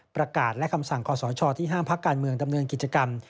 ประกาศและคำสั่งขอสชที่ห้ามพักการเมืองดำเนินกิจกรรม